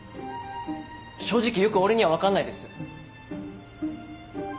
正直よく俺には分かんないです。